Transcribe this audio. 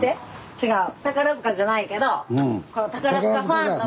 違う。